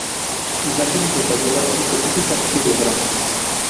Imágenes detalladas, específicamente diagramas.